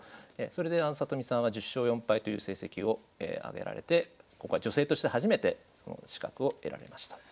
それで里見さんは１０勝４敗という成績を挙げられて女性として初めてその資格を得られました。